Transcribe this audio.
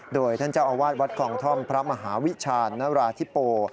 โดยท่านเจ้าอาวาสวัดคลองท่อมพระมหาวิชาณราธิโป